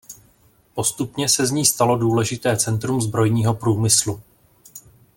Postupně se z ní stalo důležité centrum zbrojního průmyslu.